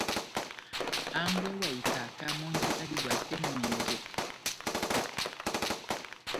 Hángwɛ wa ikaká mɔ́ndi adibwasɛ ŋʼwɛnjɛ.